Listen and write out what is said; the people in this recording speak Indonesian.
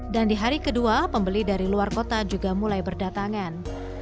dan di hari kedua pembeli dari luar kota juga mulai berdatangan